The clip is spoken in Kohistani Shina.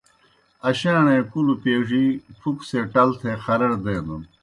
اشاݨے کُلوْ پیڙِی پُھکو سے ٹل تھے خرَڑ دینَن۔